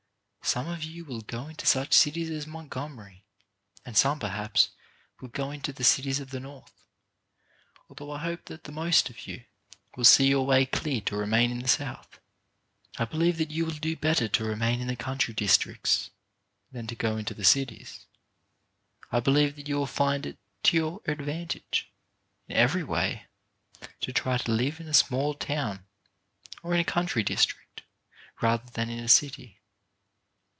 Some of you will go into such cities as Montgomery, and some, perhaps, will go into the cities of the North — although I hope that the most of you will see your way clear to remain in the South. I believe that you will do better to remain in the country districts than to go into the cities. I believe that you will find it to your advantage in every way to try to live in a small town, or in a country district, rather than in a city.